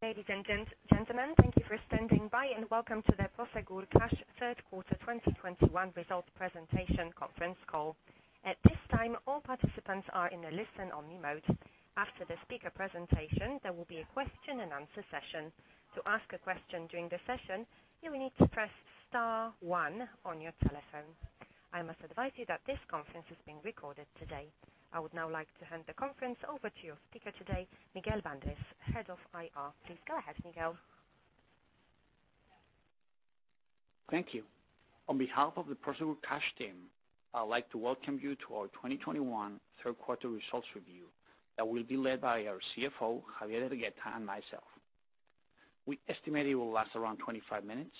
Ladies and gentlemen, thank you for standing by, and welcome to the Prosegur Cash third quarter 2021 results presentation conference call. At this time, all participants are in a listen-only mode. After the speaker presentation, there will be a question and answer session. To ask a question during the session, you will need to press star one on your telephone. I must advise you that this conference is being recorded today. I would now like to hand the conference over to your speaker today, Miguel Bandrés, Head of IR. Please go ahead, Miguel. Thank you. On behalf of the Prosegur Cash team, I would like to welcome you to our 2021 third quarter results review that will be led by our CFO, Javier Hergueta, and myself. We estimate it will last around 25 minutes,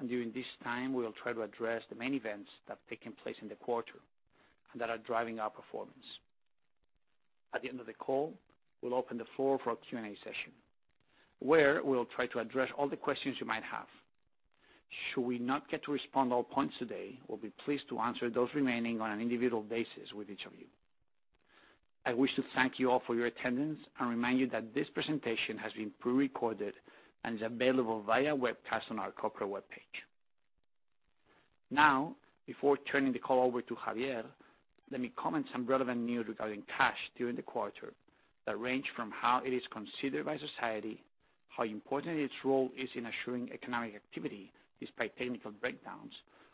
and during this time, we will try to address the main events that have taken place in the quarter that are driving our performance. At the end of the call, we'll open the floor for a Q&A session, where we'll try to address all the questions you might have. Should we not get to respond to all points today, we'll be pleased to answer those remaining on an individual basis with each of you. I wish to thank you all for your attendance and remind you that this presentation has been pre-recorded and is available via webcast on our corporate webpage. Now, before turning the call over to Javier, let me comment some relevant news regarding cash during the quarter that range from how it is considered by society, how important its role is in assuring economic activity despite technical breakdowns,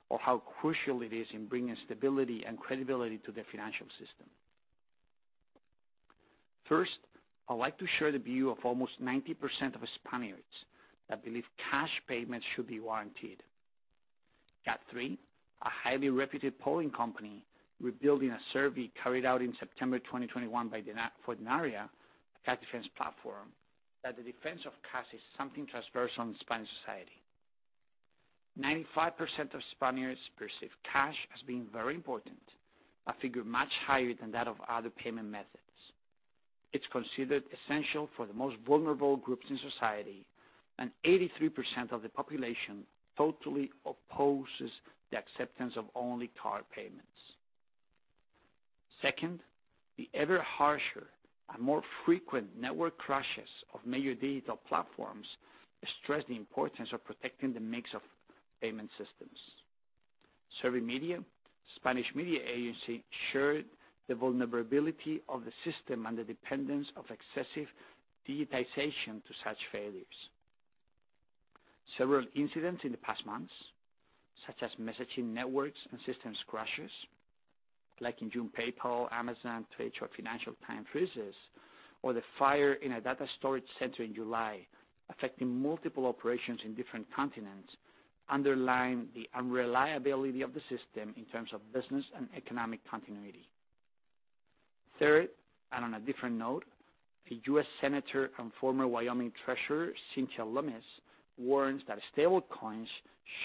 or how crucial it is in bringing stability and credibility to the financial system. First, I'd like to share the view of almost 90% of Spaniards that believe cash payments should be warranted. GAD3, a highly reputed polling company, revealed in a survey carried out in September 2021 by Denaria, a cash defense platform, that the defense of cash is something transversal in Spanish society. 95% of Spaniards perceive cash as being very important, a figure much higher than that of other payment methods. It's considered essential for the most vulnerable groups in society, and 83% of the population totally opposes the acceptance of only card payments. Second, the ever harsher and more frequent network crashes of major digital platforms stress the importance of protecting the mix of payment systems. Servimedia, Spanish news agency, showed the vulnerability of the system and the dependence of excessive digitization to such failures. Several incidents in the past months, such as messaging networks and systems crashes, like in June, PayPal, Amazon, Twitter or Financial Times freezes, or the fire in a data storage center in July, affecting multiple operations in different continents, underlie the unreliability of the system in terms of business and economic continuity. Third, on a different note, a U.S. Senator and former Wyoming Treasurer, Cynthia Lummis, warns that stablecoins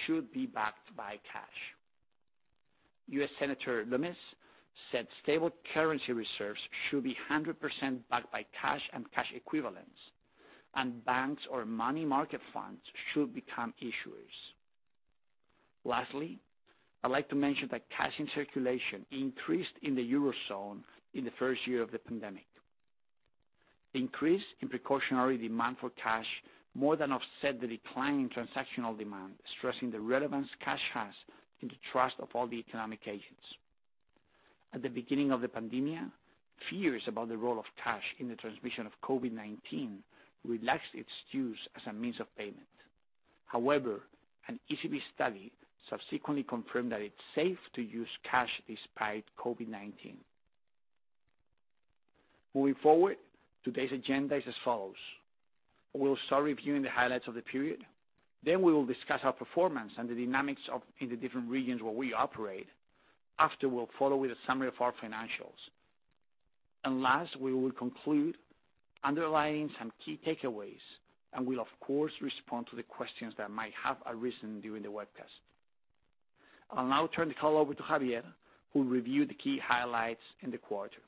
should be backed by cash. U.S. Senator Lummis said stablecoin reserves should be 100% backed by cash and cash equivalents, and banks or money market funds should become issuers. Lastly, I'd like to mention that cash in circulation increased in the Eurozone in the first year of the pandemic. Increase in precautionary demand for cash more than offset the decline in transactional demand, stressing the relevance cash has in the trust of all the economic agents. At the beginning of the pandemic, fears about the role of cash in the transmission of COVID-19 reduced its use as a means of payment. However, an ECB study subsequently confirmed that it's safe to use cash despite COVID-19. Moving forward, today's agenda is as follows. We'll start reviewing the highlights of the period. Then we will discuss our performance and the dynamics in the different regions where we operate. After, we'll follow with a summary of our financials. Last, we will conclude underlining some key takeaways, and we'll of course respond to the questions that might have arisen during the webcast. I'll now turn the call over to Javier, who'll review the key highlights in the quarter.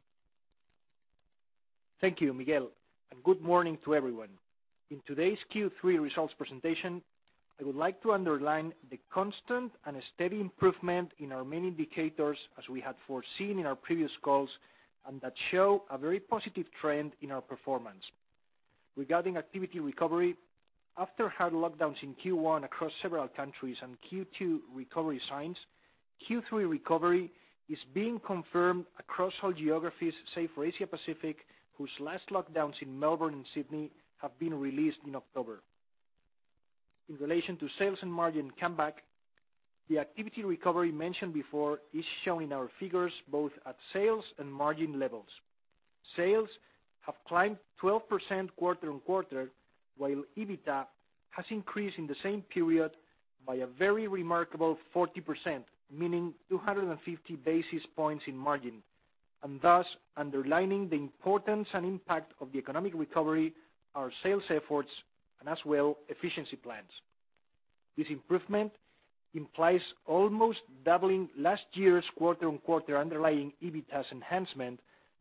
Thank you, Miguel, and good morning to everyone. In today's Q3 results presentation, I would like to underline the constant and steady improvement in our main indicators as we had foreseen in our previous calls, and that show a very positive trend in our performance. Regarding activity recovery, after hard lockdowns in Q1 across several countries and Q2 recovery signs, Q3 recovery is being confirmed across all geographies, save for Asia Pacific, whose last lockdowns in Melbourne and Sydney have been lifted in October. In relation to sales and margin comeback, the activity recovery mentioned before is showing our figures both at sales and margin levels. Sales have climbed 12% quarter-over-quarter, while EBITDA has increased in the same period by a very remarkable 40%, meaning 250 basis points in margin, and thus underlining the importance and impact of the economic recovery, our sales efforts, and as well, efficiency plans. This improvement implies almost doubling last year's quarter-over-quarter underlying EBITDA enhancement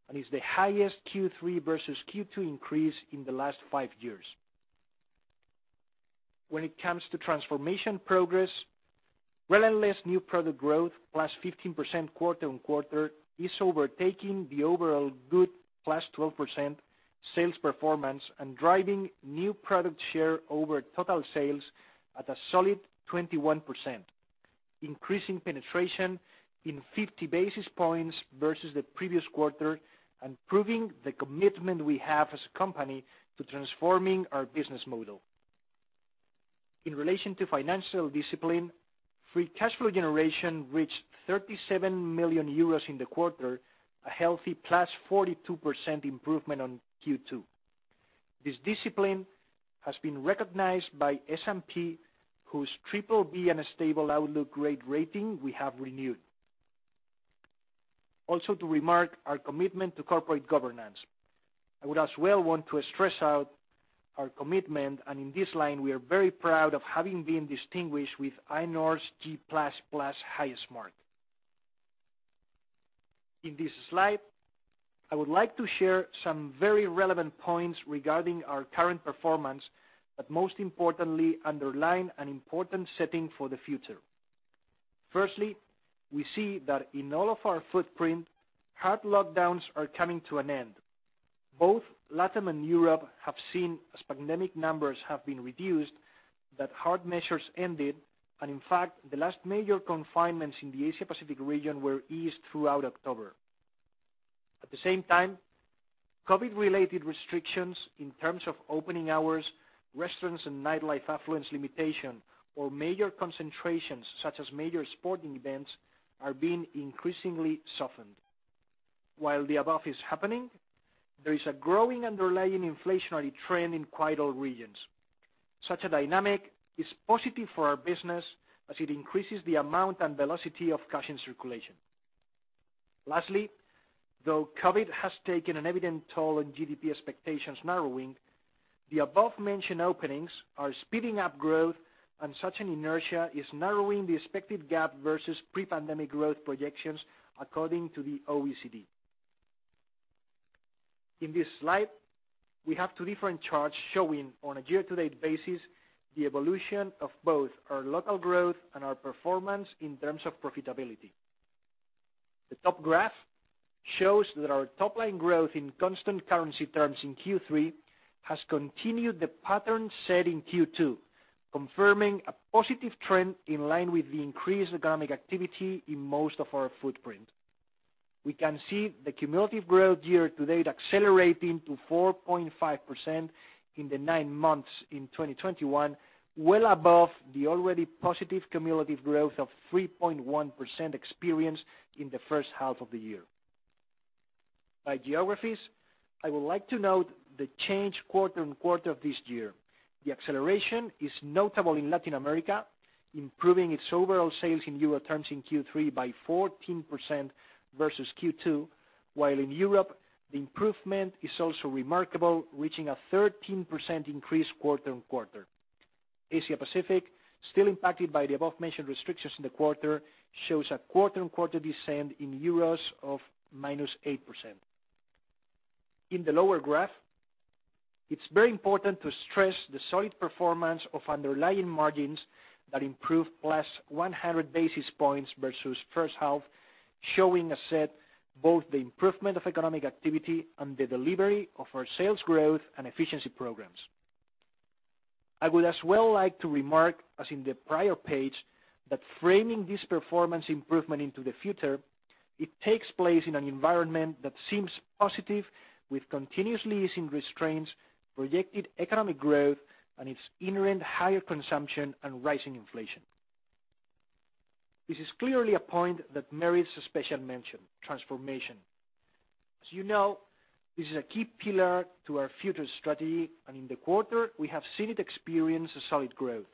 and is the highest Q3 versus Q2 increase in the last five years. When it comes to transformation progress, relentless new product growth, +15% quarter-over-quarter, is overtaking the overall good +12% sales performance and driving new product share over total sales at a solid 21%, increasing penetration in 50 basis points versus the previous quarter and proving the commitment we have as a company to transforming our business model. In relation to financial discipline, free cash flow generation reached 37 million euros in the quarter, a healthy +42% improvement on Q2. This discipline has been recognized by S&P, whose BBB and a stable outlook grade rating we have renewed. Also, to remark our commitment to corporate governance, I would as well want to stress out our commitment, and in this line, we are very proud of having been distinguished with ISS's G++ highest mark. In this slide, I would like to share some very relevant points regarding our current performance, but most importantly, underline an important setting for the future. Firstly, we see that in all of our footprint, hard lockdowns are coming to an end. Both LATAM and Europe have seen, as pandemic numbers have been reduced, that hard measures ended, and in fact, the last major confinements in the Asia-Pacific region were eased throughout October. At the same time, COVID-19-related restrictions in terms of opening hours, restaurants and nightlife attendance limitation or major concentrations such as major sporting events, are being increasingly softened. While the above is happening, there is a growing underlying inflationary trend in all regions. Such a dynamic is positive for our business as it increases the amount and velocity of cash in circulation. Lastly, though COVID-19 has taken an evident toll on GDP expectations narrowing, the above-mentioned openings are speeding up growth, and such an inertia is narrowing the expected gap versus pre-pandemic growth projections, according to the OECD. In this slide, we have two different charts showing, on a year-to-date basis, the evolution of both our local growth and our performance in terms of profitability. The top graph shows that our top line growth in constant currency terms in Q3 has continued the pattern set in Q2, confirming a positive trend in line with the increased economic activity in most of our footprint. We can see the cumulative growth year to date accelerating to 4.5% in the nine months in 2021, well above the already positive cumulative growth of 3.1% experienced in the first half of the year. By geographies, I would like to note the change quarter and quarter of this year. The acceleration is notable in Latin America, improving its overall sales in euro terms in Q3 by 14% versus Q2, while in Europe, the improvement is also remarkable, reaching a 13% increase quarter-on-quarter. Asia-Pacific, still impacted by the above-mentioned restrictions in the quarter, shows a quarter-on-quarter descent in euros of -8%. In the lower graph, it's very important to stress the solid performance of underlying margins that improve +100 basis points versus first half, showing, as well, both the improvement of economic activity and the delivery of our sales growth and efficiency programs. I would as well like to remark, as in the prior page, that framing this performance improvement into the future, it takes place in an environment that seems positive, with continuously easing restraints, projected economic growth and its inherent higher consumption and rising inflation. This is clearly a point that merits a special mention, transformation. As you know, this is a key pillar to our future strategy, and in the quarter, we have seen it experience a solid growth.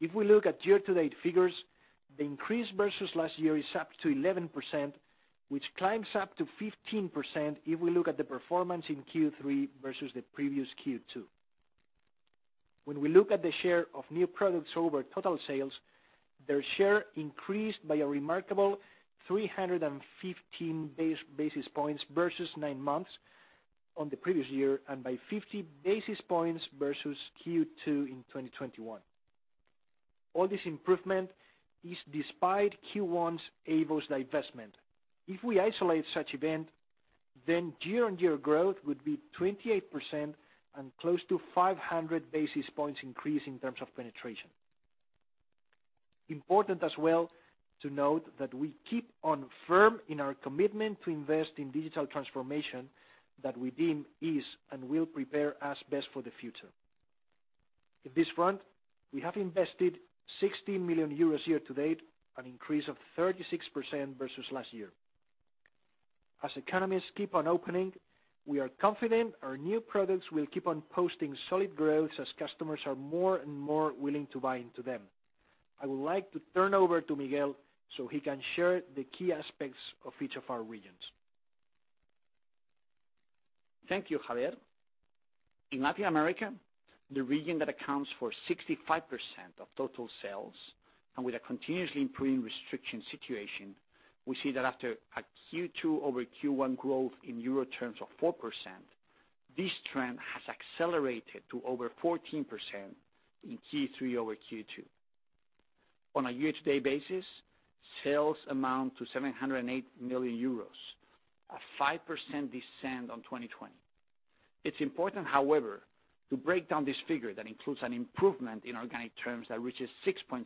If we look at year-to-date figures, the increase versus last year is up to 11%, which climbs up to 15% if we look at the performance in Q3 versus the previous Q2. When we look at the share of new products over total sales, their share increased by a remarkable 315 basis points versus nine months of the previous year and by 50 basis points versus Q2 in 2021. All this improvement is despite Q1's AVOS divestment. If we isolate such event, then year-on-year growth would be 28% and close to 500 basis points increase in terms of penetration. Important as well to note that we remain firm in our commitment to invest in digital transformation that we deem is and will prepare us best for the future. On this front, we have invested EUR 60 million year to date, an increase of 36% versus last year. As economies keep on opening, we are confident our new products will keep on posting solid growth as customers are more and more willing to buy into them. I would like to turn over to Miguel so he can share the key aspects of each of our regions. Thank you, Javier. In Latin America, the region that accounts for 65% of total sales. With a continuously improving restriction situation, we see that after a Q2 over Q1 growth in euro terms of 4%, this trend has accelerated to over 14% in Q3 over Q2. On a year-to-date basis, sales amount to 708 million euros, a 5% decline on 2020. It's important, however, to break down this figure that includes an improvement in organic terms that reaches 6.6%.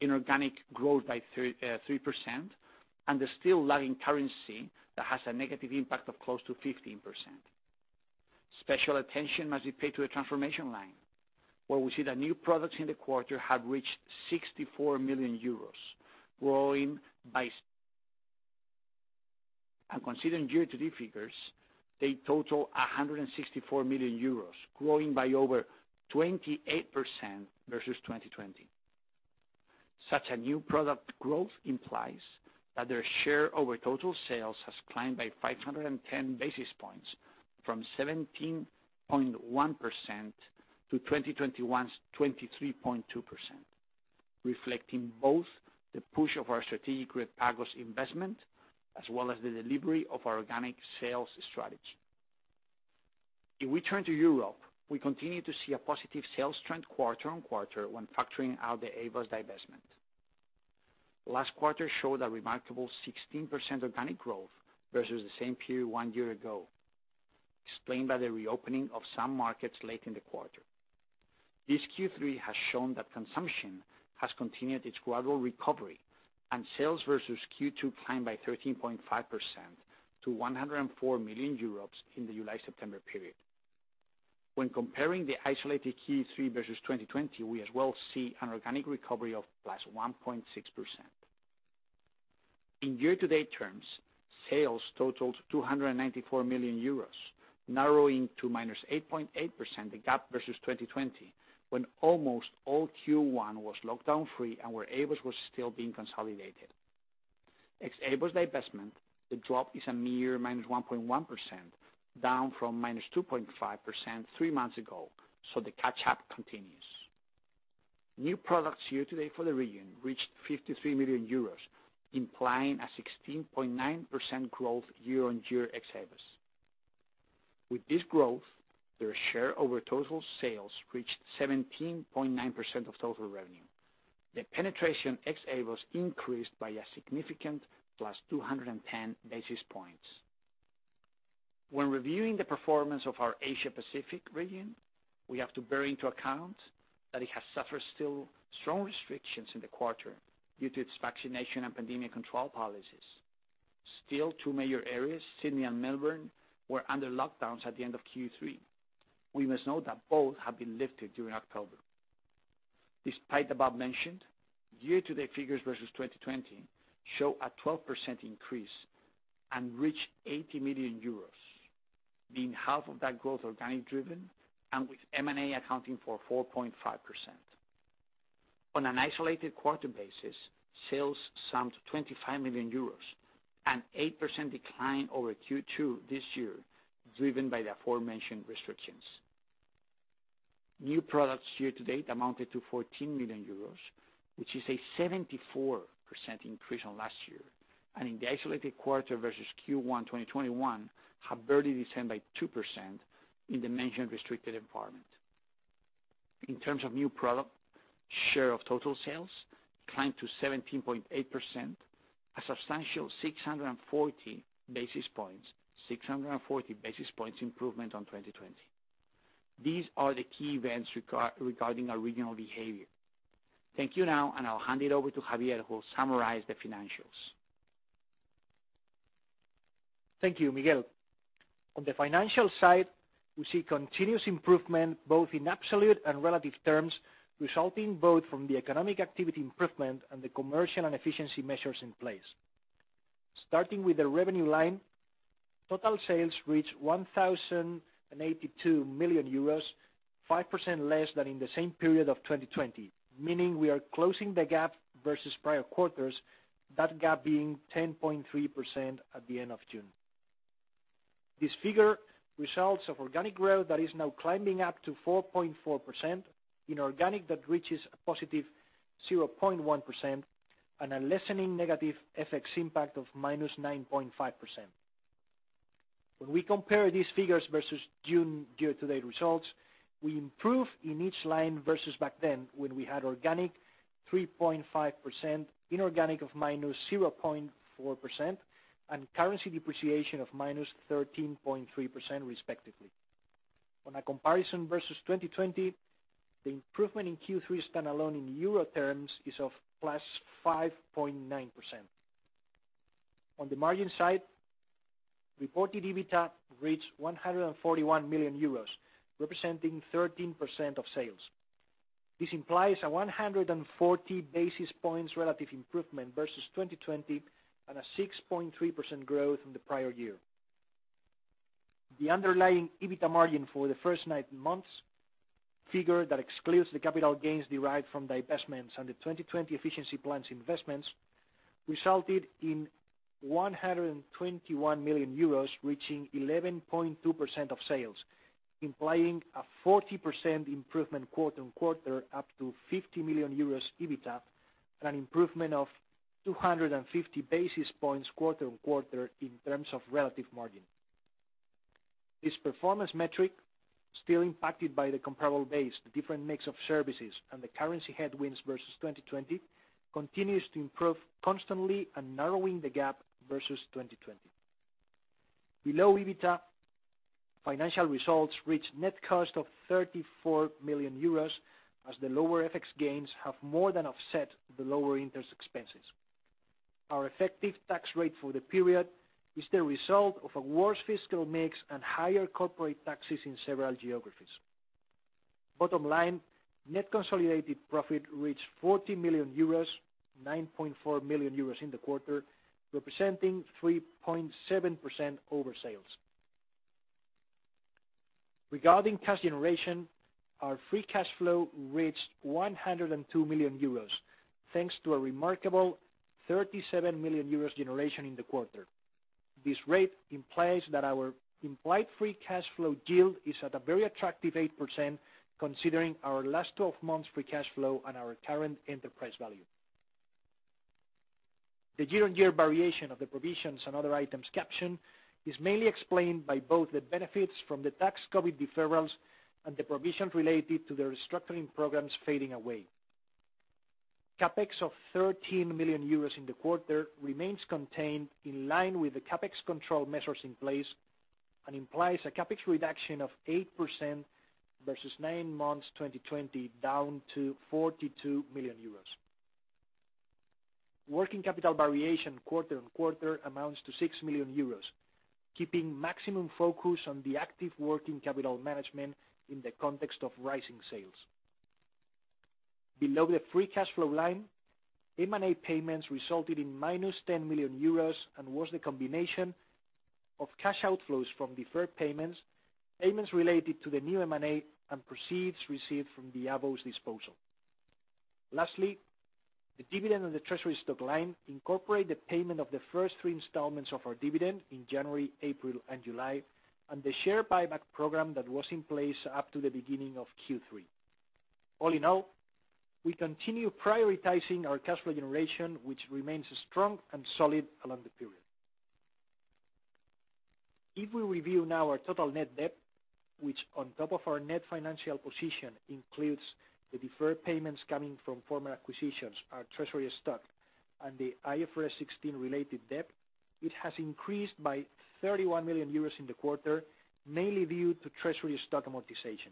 Inorganic growth by 3% and the still lagging currency that has a negative impact of close to 15%. Special attention must be paid to the transformation line, where we see that new products in the quarter have reached 64 million euros, growing by. Considering year-to-date figures, they total 164 million euros, growing by over 28% versus 2020. Such a new product growth implies that their share over total sales has climbed by 510 basis points from 17.1% to 2021's 23.2%, reflecting both the push of our strategic Redpagos investment as well as the delivery of our organic sales strategy. If we turn to Europe, we continue to see a positive sales trend quarter-on-quarter when factoring out the AVOS divestment. Last quarter showed a remarkable 16% organic growth versus the same period one year ago, explained by the reopening of some markets late in the quarter. This Q3 has shown that consumption has continued its gradual recovery, and sales versus Q2 climbed by 13.5% to 104 million euros in the July-September period. When comparing the isolated Q3 versus 2020, we as well see an organic recovery of +1.6%. In year-to-date terms, sales totaled 294 million euros, narrowing to -8.8% the gap versus 2020, when almost all Q1 was lockdown-free and where AVOS was still being consolidated. Ex AVOS divestment, the drop is a mere -1.1%, down from -2.5% three months ago, so the catch-up continues. New products year-to-date for the region reached 53 million euros, implying a 16.9% growth year-on-year ex AVOS. With this growth, their share over total sales reached 17.9% of total revenue. The penetration ex AVOS increased by a significant +210 basis points. When reviewing the performance of our Asia Pacific region, we have to take into account that it has suffered still strong restrictions in the quarter due to its vaccination and pandemic control policies. Still, two major areas, Sydney and Melbourne, were under lockdowns at the end of Q3. We must note that both have been lifted during October. Despite the aforementioned, year-to-date figures versus 2020 show a 12% increase and reached 80 million euros, being half of that growth organic driven and with M&A accounting for 4.5%. On an isolated quarter basis, sales summed to 25 million euros, an 8% decline over Q2 this year, driven by the aforementioned restrictions. New products year-to-date amounted to 14 million euros, which is a 74% increase on last year. In the isolated quarter versus Q1 2021, new products have barely descended by 2% in the mentioned restricted environment. In terms of new product share of total sales climbed to 17.8%, a substantial 640 basis points improvement on 2020. These are the key events regarding our regional behavior. Thank you now, and I'll hand it over to Javier, who will summarize the financials. Thank you, Miguel. On the financial side, we see continuous improvement both in absolute and relative terms, resulting both from the economic activity improvement and the commercial and efficiency measures in place. Starting with the revenue line, total sales reached EUR 1,082 million, 5% less than in the same period of 2020, meaning we are closing the gap versus prior quarters, that gap being 10.3% at the end of June. This figure results from organic growth that is now climbing up to 4.4%, inorganic that reaches a positive 0.1%, and a lessening negative FX impact of -9.5%. When we compare these figures versus June year-to-date results, we improve in each line versus back then when we had organic 3.5%, inorganic of -0.4%, and currency depreciation of -13.3% respectively. On a comparison versus 2020, the improvement in Q3 standalone in euro terms is of +5.9%. On the margin side, reported EBITDA reached 141 million euros, representing 13% of sales. This implies a 140 basis points relative improvement versus 2020 and a 6.3% growth from the prior year. The underlying EBITDA margin for the first nine months, figure that excludes the capital gains derived from divestments and the 2020 efficiency plans investments, resulted in 121 million euros, reaching 11.2% of sales, implying a 40% improvement quarter-over-quarter, up to 50 million euros EBITDA and an improvement of 250 basis points quarter-over-quarter in terms of relative margin. This performance metric, still impacted by the comparable base, the different mix of services, and the currency headwinds versus 2020, continues to improve constantly and narrowing the gap versus 2020. Below EBITDA, financial results reached net cost of 34 million euros as the lower FX gains have more than offset the lower interest expenses. Our effective tax rate for the period is the result of a worse fiscal mix and higher corporate taxes in several geographies. Bottom line, net consolidated profit reached EUR 40 million, EUR 9.4 million in the quarter, representing 3.7% over sales. Regarding cash generation, our free cash flow reached 102 million euros, thanks to a remarkable 37 million euros generation in the quarter. This rate implies that our implied free cash flow yield is at a very attractive 8% considering our last 12 months free cash flow and our current enterprise value. The year-on-year variation of the provisions and other items caption is mainly explained by both the benefits from the tax COVID deferrals and the provisions related to the restructuring programs fading away. CapEx of 13 million euros in the quarter remains contained in line with the CapEx control measures in place and implies a CapEx reduction of 8% versus nine months 2020 down to 42 million euros. Working capital variation quarter-on-quarter amounts to 6 million euros, keeping maximum focus on the active working capital management in the context of rising sales. Below the free cash flow line, M&A payments resulted in -10 million euros and was the combination of cash outflows from deferred payments related to the new M&A, and proceeds received from the AVOS disposal. Lastly, the dividend and the treasury stock line incorporate the payment of the first three installments of our dividend in January, April, and July, and the share buyback program that was in place up to the beginning of Q3. All in all, we continue prioritizing our cash flow generation, which remains strong and solid along the period. If we review now our total net debt, which on top of our net financial position includes the deferred payments coming from former acquisitions, our treasury stock, and the IFRS 16 related debt, it has increased by 31 million euros in the quarter, mainly due to treasury stock amortization.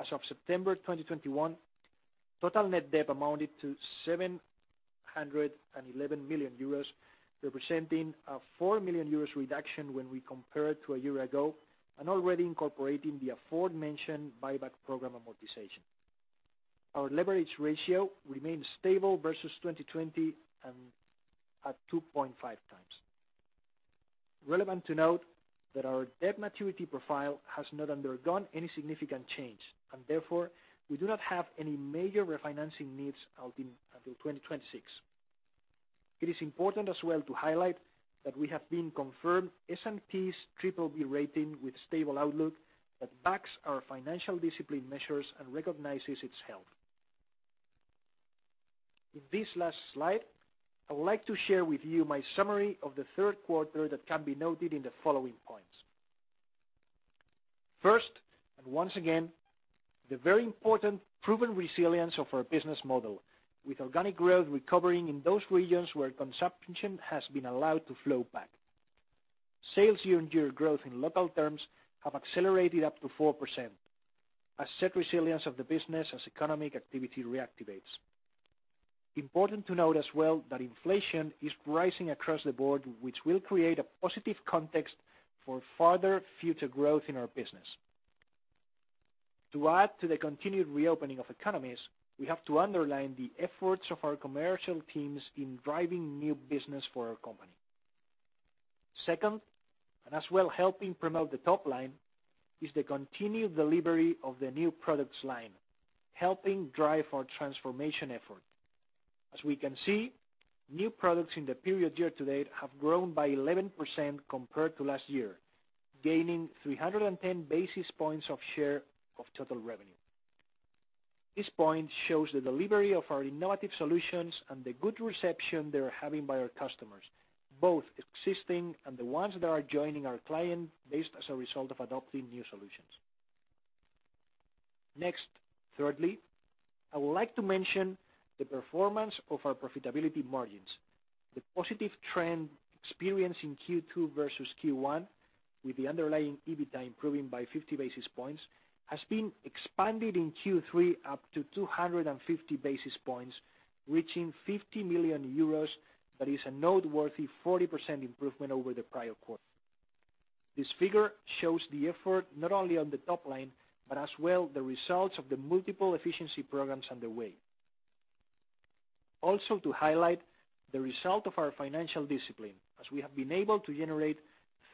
As of September 2021, total net debt amounted to 711 million euros, representing a 4 million euros reduction when we compare it to a year ago and already incorporating the aforementioned buyback program amortization. Our leverage ratio remains stable versus 2020 and at 2.5x. Relevant to note that our debt maturity profile has not undergone any significant change and therefore we do not have any major refinancing needs until 2026. It is important as well to highlight that we have been confirmed S&P's BBB rating with stable outlook that backs our financial discipline measures and recognizes its health. In this last slide, I would like to share with you my summary of the third quarter that can be noted in the following points. First, once again, the very important proven resilience of our business model with organic growth recovering in those regions where consumption has been allowed to flow back. Sales year-on-year growth in local terms have accelerated up to 4% accentuating the resilience of the business as economic activity reactivates. Important to note as well that inflation is rising across the board, which will create a positive context for further future growth in our business. To add to the continued reopening of economies, we have to underline the efforts of our commercial teams in driving new business for our company. Second, and as well helping promote the top line, is the continued delivery of the new products line, helping drive our transformation effort. As we can see, new products in the period year to date have grown by 11% compared to last year, gaining 310 basis points of share of total revenue. This point shows the delivery of our innovative solutions and the good reception they are having by our customers, both existing and the ones that are joining our client base as a result of adopting new solutions. Next, thirdly, I would like to mention the performance of our profitability margins. The positive trend experienced in Q2 versus Q1 with the underlying EBITDA improving by 50 basis points has been expanded in Q3 up to 250 basis points, reaching 50 million euros. That is a noteworthy 40% improvement over the prior quarter. This figure shows the effort not only on the top line, but as well the results of the multiple efficiency programs underway. Also, to highlight the result of our financial discipline as we have been able to generate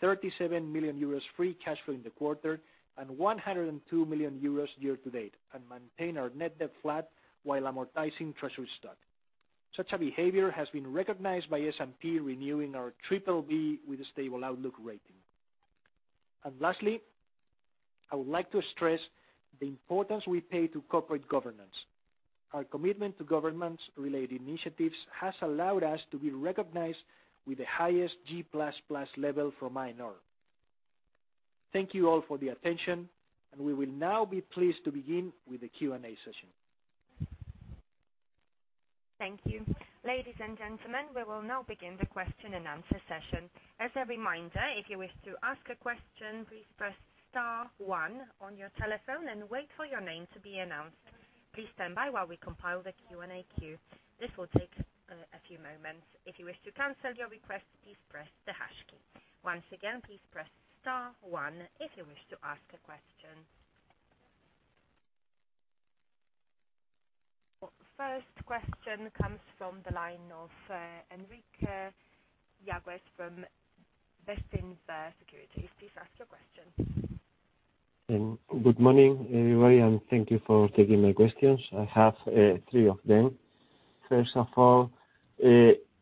37 million euros free cash flow in the quarter, and 102 million euros year to date, and maintain our net debt flat while amortizing treasury stock. Such a behavior has been recognized by S&P renewing our BBB with a stable outlook rating. Lastly, I would like to stress the importance we pay to corporate governance. Our commitment to governance-related initiatives has allowed us to be recognized with the highest G++ level from ANR. Thank you all for the attention, and we will now be pleased to begin with the Q&A session. Thank you. Ladies and gentlemen, we will now begin the question and answer session. As a reminder, if you wish to ask a question, please press star one on your telephone and wait for your name to be announced. Please stand by while we compile the Q&A queue. This will take a few moments. If you wish to cancel your request, please press the hash key. Once again, please press star one if you wish to ask a question. First question comes from the line of Enrique Yáguez from Bestinver Securities. Please ask your question. Good morning, everybody, and thank you for taking my questions. I have three of them. First of all,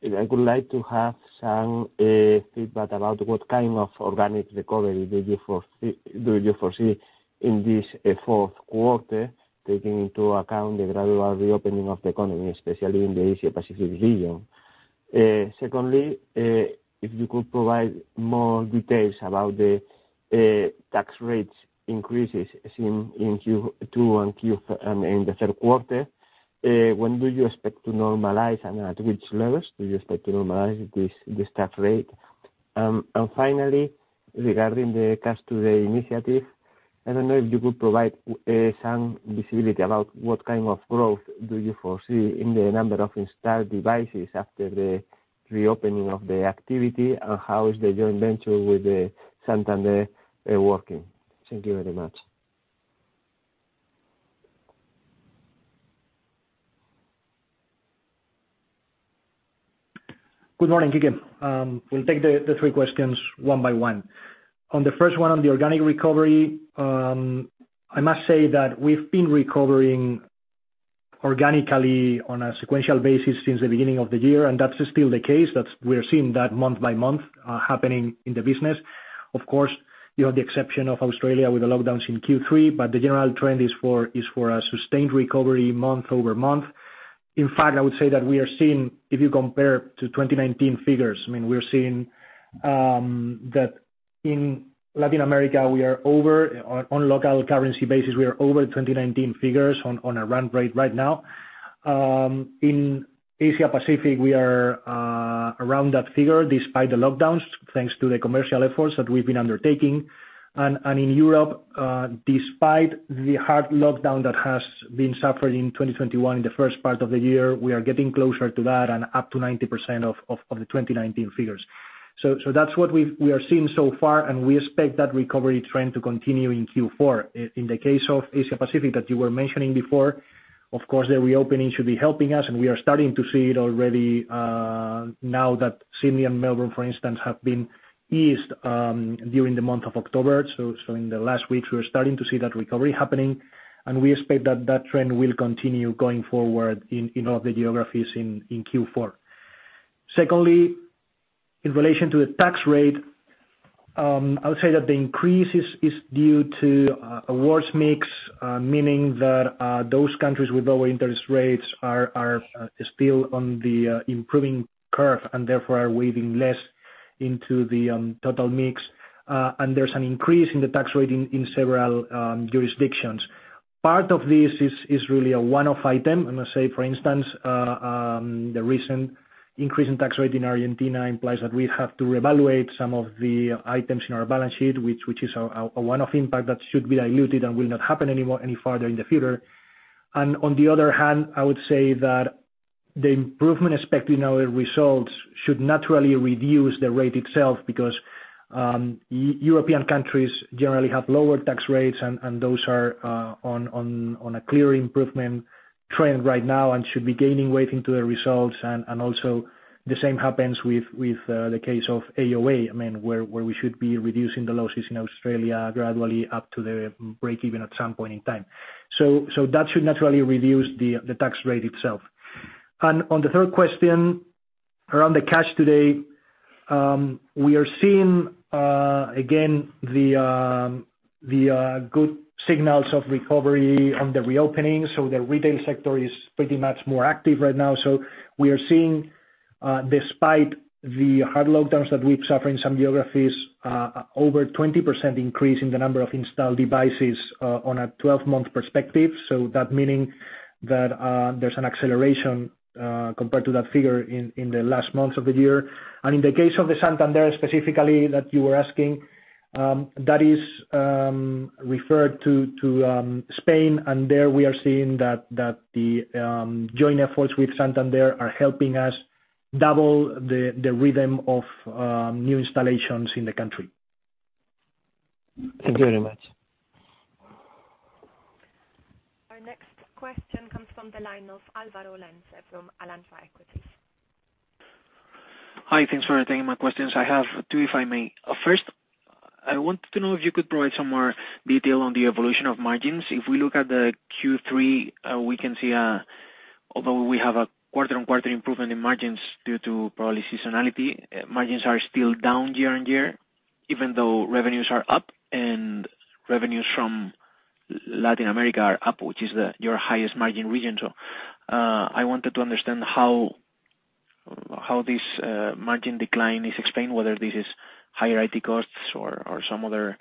I would like to have some feedback about what kind of organic recovery do you foresee in this fourth quarter, taking into account the gradual reopening of the economy, especially in the Asia-Pacific region. Secondly, if you could provide more details about the tax rates increases seen in Q2 and Q3. When do you expect to normalize, and at which levels do you expect to normalize this tax rate? Finally, regarding the Cash Today initiative, I don't know if you could provide some visibility about what kind of growth do you foresee in the number of installed devices after the reopening of the activity? How is the joint venture with Santander working? Thank you very much. Good morning, Quique. We'll take the three questions one by one. On the first one on the organic recovery, I must say that we've been recovering organically on a sequential basis since the beginning of the year, and that's still the case. We're seeing that month by month happening in the business. Of course, you have the exception of Australia with the lockdowns in Q3, but the general trend is for a sustained recovery month-over-month. In fact, I would say that we are seeing, if you compare to 2019 figures, I mean, we're seeing that in Latin America we are over, on local currency basis, we are over 2019 figures on a run rate right now. In Asia-Pacific, we are around that figure despite the lockdowns, thanks to the commercial efforts that we've been undertaking. In Europe, despite the hard lockdown that has been suffered in 2021, in the first part of the year, we are getting closer to that and up to 90% of the 2019 figures. That's what we are seeing so far, and we expect that recovery trend to continue in Q4. In the case of Asia-Pacific that you were mentioning before, of course, the reopening should be helping us, and we are starting to see it already, now that Sydney and Melbourne, for instance, have been eased during the month of October. In the last weeks we're starting to see that recovery happening, and we expect that trend will continue going forward in all the geographies in Q4. Secondly, in relation to the tax rate, I would say that the increase is due to a worse mix, meaning that those countries with lower interest rates are still on the improving curve and therefore are weighing less into the total mix. There's an increase in the tax rate in several jurisdictions. Part of this is really a one-off item. I must say, for instance, the recent increase in tax rate in Argentina implies that we have to reevaluate some of the items in our balance sheet, which is a one-off impact that should be diluted and will not happen anymore any further in the future. On the other hand, I would say that the improvement expected in our results should naturally reduce the rate itself because European countries generally have lower tax rates and those are on a clear improvement trend right now and should be gaining weight into the results. Also the same happens with the case of AOA, I mean, where we should be reducing the losses in Australia gradually up to the breakeven at some point in time. That should naturally reduce the tax rate itself. On the third question, around Cash Today, we are seeing again the good signals of recovery on the reopening. The retail sector is pretty much more active right now. We are seeing, despite the hard lockdowns that we've suffered in some geographies, over 20% increase in the number of installed devices, on a 12-month perspective. That meaning that there's an acceleration, compared to that figure in the last months of the year. In the case of the Santander specifically that you were asking, that is referred to Spain. There we are seeing that the joint efforts with Santander are helping us double the rhythm of new installations in the country. Thank you very much. Question comes from the line of Álvaro Lenze from Alantra Equities. Hi, thanks for taking my questions. I have two, if I may. First, I wanted to know if you could provide some more detail on the evolution of margins. If we look at the Q3, we can see, although we have a quarter-on-quarter improvement in margins due to probably seasonality, margins are still down year-on-year, even though revenues are up and revenues from Latin America are up, which is your highest margin region. I wanted to understand how this margin decline is explained, whether this is higher IT costs or some other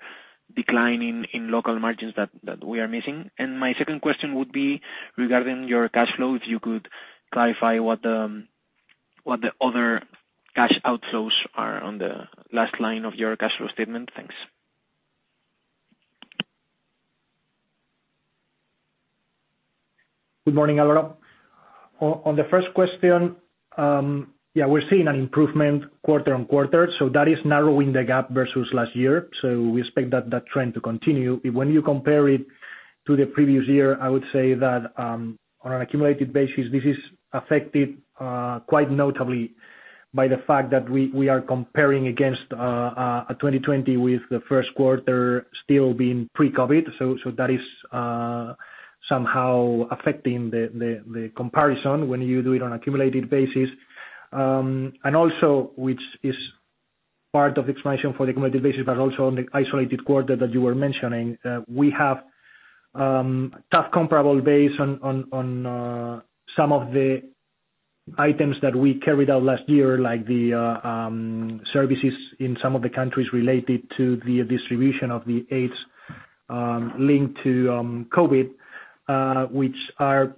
decline in local margins that we are missing. My second question would be regarding your cash flows. If you could clarify what the other cash outflows are on the last line of your cash flow statement. Thanks. Good morning, Álvaro. On the first question, yeah, we're seeing an improvement quarter-over-quarter, so that is narrowing the gap versus last year, so we expect that trend to continue. When you compare it to the previous year, I would say that on an accumulated basis, this is affected quite notably by the fact that we are comparing against a 2020 with the first quarter still being pre-COVID. So that is somehow affecting the comparison when you do it on accumulated basis. which is part of the explanation for the accumulated basis, but also on the isolated quarter that you were mentioning, we have tough comparable base on some of the items that we carried out last year, like the services in some of the countries related to the distribution of the aids, linked to COVID, which are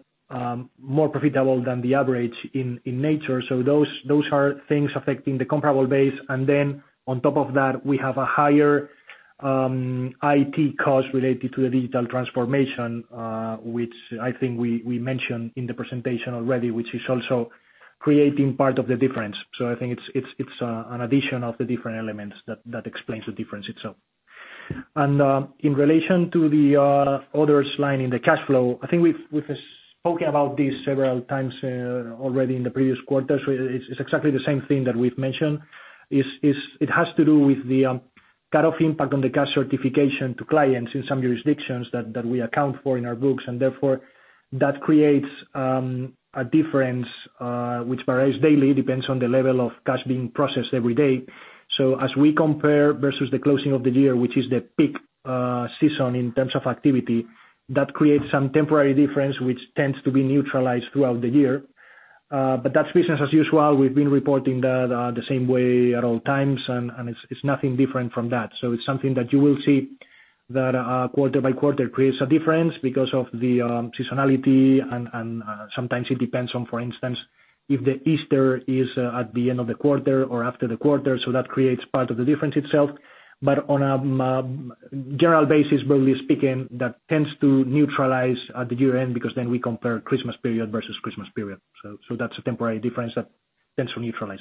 more profitable than the average in nature. Those are things affecting the comparable base. On top of that, we have a higher IT cost related to the digital transformation, which I think we mentioned in the presentation already, which is also creating part of the difference. I think it's an addition of the different elements that explains the difference itself. In relation to the others line in the cash flow, I think we've spoken about this several times already in the previous quarters. It's exactly the same thing that we've mentioned. It has to do with the cut-off impact on the cash certification to clients in some jurisdictions that we account for in our books, and therefore that creates a difference which varies daily, depends on the level of cash being processed every day. As we compare versus the closing of the year, which is the peak season in terms of activity, that creates some temporary difference, which tends to be neutralized throughout the year. But that's business as usual. We've been reporting that the same way at all times and it's nothing different from that. It's something that you will see that, quarter by quarter creates a difference because of the seasonality and sometimes it depends on, for instance, if Easter is at the end of the quarter or after the quarter, so that creates part of the difference itself. On a general basis, broadly speaking, that tends to neutralize at the year-end because then we compare Christmas period versus Christmas period. That's a temporary difference that tends to neutralize.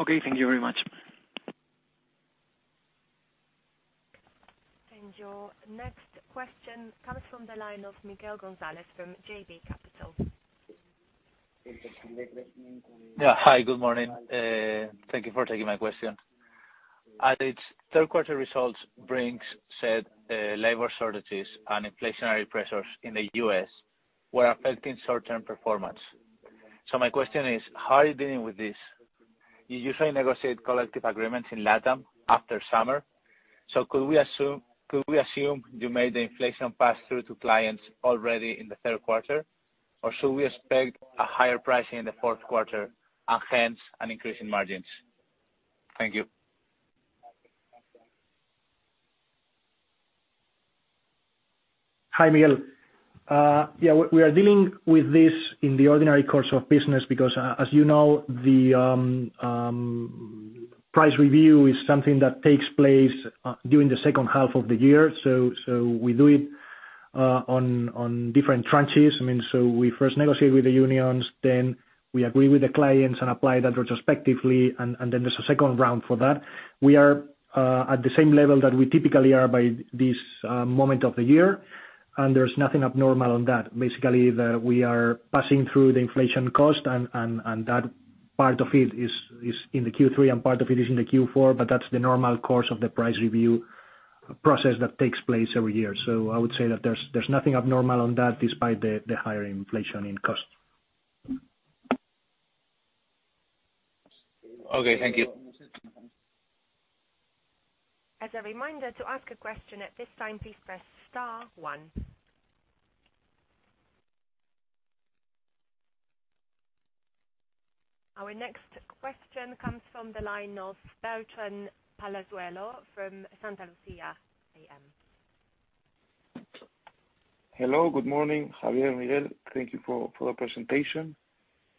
Okay, thank you very much. Your next question comes from the line of Miguel González from JB Capital. Yeah. Hi, good morning. Thank you for taking my question. At its third quarter results, Brink's said, labor shortages and inflationary pressures in the U.S. were affecting short-term performance. My question is, how are you dealing with this? You usually negotiate collective agreements in LATAM after summer, so could we assume you made the inflation pass through to clients already in the third quarter? Or should we expect a higher pricing in the fourth quarter and hence an increase in margins? Thank you. Hi, Miguel. We are dealing with this in the ordinary course of business because as you know, the price review is something that takes place during the second half of the year. We do it on different tranches. I mean, we first negotiate with the unions, then we agree with the clients and apply that retrospectively, and then there's a second round for that. We are at the same level that we typically are by this moment of the year, and there's nothing abnormal on that. Basically, we are passing through the inflation cost and that part of it is in the Q3 and part of it is in the Q4, but that's the normal course of the price review process that takes place every year. I would say that there's nothing abnormal on that despite the higher inflation in cost. Okay, thank you. Our next question comes from the line of Beltrán Palazuelo from Santalucía AM. Hello, good morning, Javier and Miguel. Thank you for the presentation.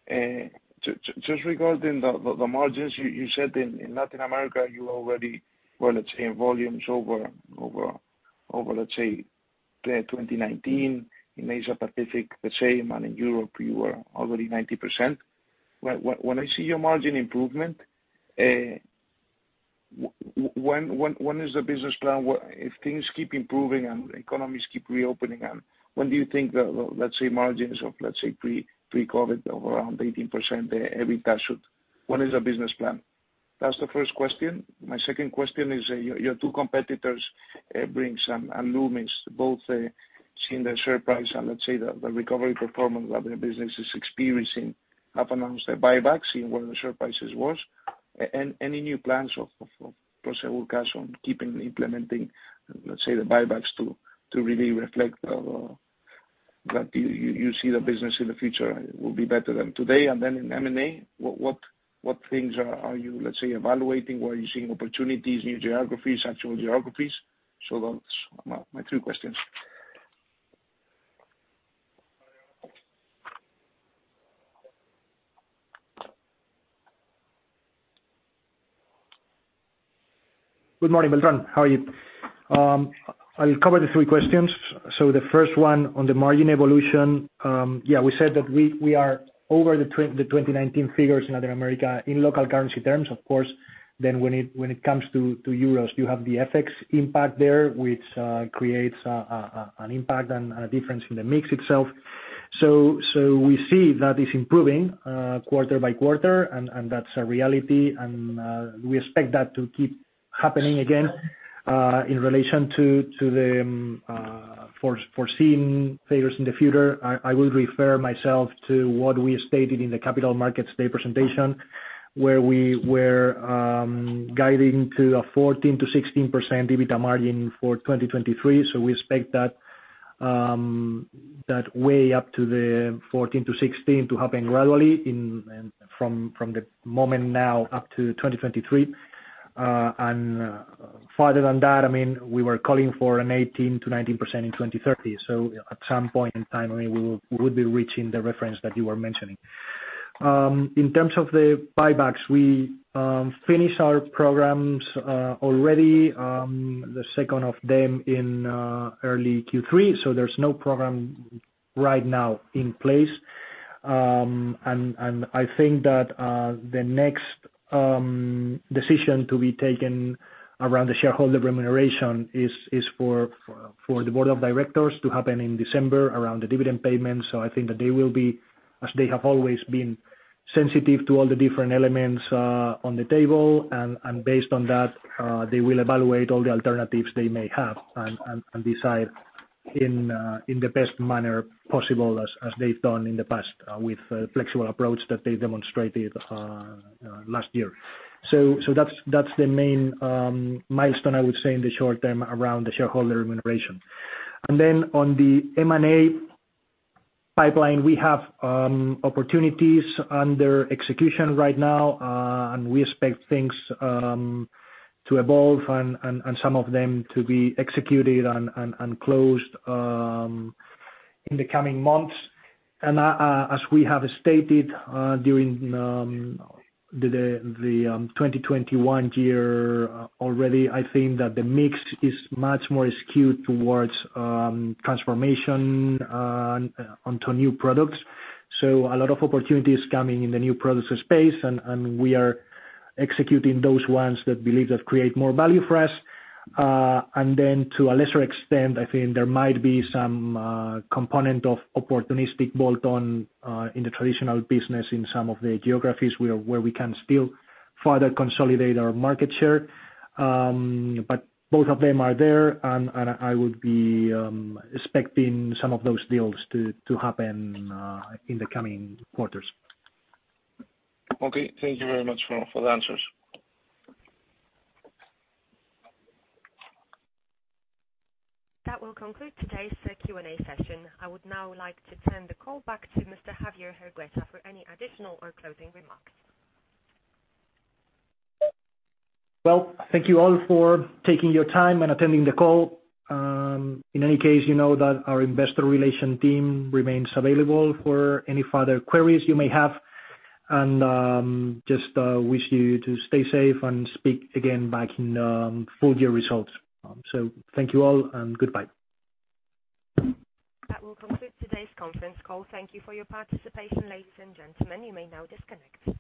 Just regarding the margins, you said in Latin America you already were, let's say, in volumes over, let's say, pre-2019. In Asia Pacific, the same, and in Europe you were already 90%. When I see your margin improvement, when is the business plan if things keep improving and economies keep reopening and when do you think the, let's say, margins of, let's say, pre-COVID of around 18% EBITDA should. What is the business plan? That's the first question. My second question is, your two competitors, Brink's and Loomis both, have seen their share price and let's say the recovery performance of their business have announced buybacks even where the share price is worse. Any new plans of Prosegur Cash on keeping implementing, let's say, the buybacks to really reflect that you see the business in the future will be better than today. Then in M&A, what things are you, let's say, evaluating? Where are you seeing opportunities, new geographies, actual geographies? Those are my three questions. Good morning, Beltrán. How are you? I'll cover the three questions. The first one on the margin evolution, yeah, we said that we are over the 2019 figures in Latin America in local currency terms. Of course, then when it comes to euros, you have the FX impact there, which creates an impact and a difference in the mix itself. We see that it's improving quarter by quarter, and that's a reality. We expect that to keep happening again in relation to the foreseen figures in the future. I will refer myself to what we stated in the Capital Markets Day presentation, where we were guiding to a 14%-16% EBITDA margin for 2023. We expect that way up to 14%-16% to happen gradually from the moment now up to 2023. Further than that, I mean, we were calling for 18%-19% in 2030. At some point in time, I mean, we would be reaching the reference that you are mentioning. In terms of the buybacks, we finish our programs already, the second of them in early Q3, so there's no program right now in place. I think that the next decision to be taken around the shareholder remuneration is for the board of directors to happen in December around the dividend payments. I think that they will be, as they have always been, sensitive to all the different elements on the table. Based on that, they will evaluate all the alternatives they may have and decide in the best manner possible as they've done in the past with the flexible approach that they demonstrated last year. That's the main milestone, I would say, in the short term around the shareholder remuneration. On the M&A pipeline, we have opportunities under execution right now, and we expect things to evolve and some of them to be executed and closed in the coming months. As we have stated during the 2021 year already, I think that the mix is much more skewed towards transformation onto new products. A lot of opportunities coming in the new products space and we are executing those ones that we believe that create more value for us. Then to a lesser extent, I think there might be some component of opportunistic bolt-on in the traditional business in some of the geographies where we can still further consolidate our market share. Both of them are there, and I would be expecting some of those deals to happen in the coming quarters. Okay. Thank you very much for the answers. That will conclude today's Q&A session. I would now like to turn the call back to Mr. Javier Hergueta for any additional or closing remarks. Well, thank you all for taking your time and attending the call. In any case, you know that our Investor Relations team remains available for any further queries you may have. I just wish you to stay safe and speak to you again at the full year results. Thank you all and goodbye. That will conclude today's conference call. Thank you for your participation, ladies and gentlemen. You may now disconnect.